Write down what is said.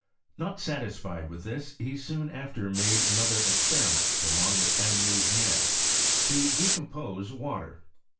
Not satisfied with this, he soon after made another experiment along with M. Meusnier to decompose water.